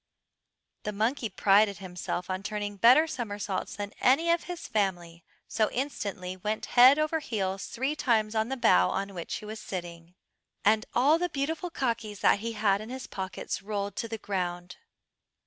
The monkey prided himself on turning better somersaults than any of his family, so he instantly went head over heels three times on the bough on which he was sitting, and all the beautiful kakis that he had in his pockets rolled to the ground.